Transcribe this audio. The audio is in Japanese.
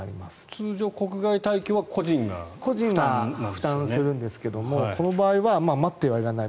通常は国外退去は個人が負担するんですがこの場合は待ってはいられない